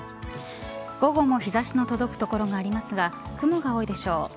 午後も日差しの届く所がありますが雲が多いでしょう。